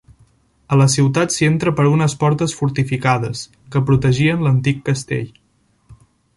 A la ciutat s'hi entra per unes portes fortificades, que protegien l'antic castell.